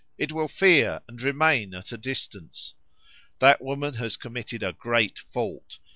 It will fear and remain at a distance. That woman has committed a great fault.